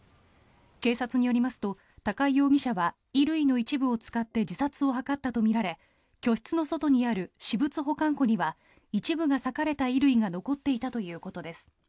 警察によりますと高井容疑者は衣類の一部を使って自殺を図ったとみられ居室の外にある私物保管庫には一部が裂かれた衣類が残っていたということです。